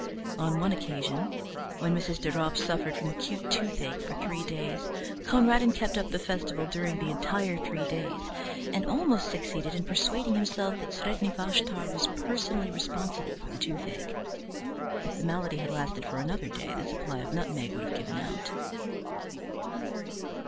On one occasion, when Mrs. de Ropp suffered from acute toothache for three days, Conradin kept up the festival during the entire three days, and almost succeeded in persuading himself that Sredni Vashtar was personally responsible for the toothache. If the malady had lasted for another day the supply of nutmeg would have given out.